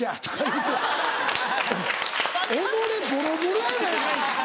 己ボロボロやないかい。